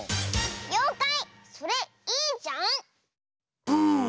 「ようかいそれいいじゃん」！